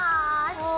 はい。